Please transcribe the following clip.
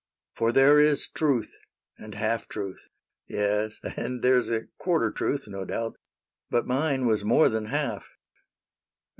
" For there is truth, and half truth, — yes. And there 's a quarter truth, no doubt ; But mine was more than half.